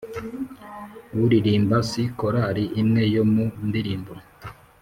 uririmba si korari imwe yo mu ndirimbo,